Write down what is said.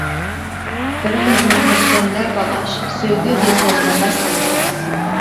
بىرىمىزنى ئەتكەندە باغاش، سۆيگۈ بىزدىن نەپەس ئالىدۇ.